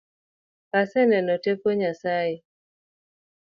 Aseneno teko Nyasaye.